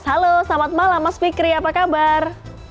halo selamat malam mas fikri apa kabar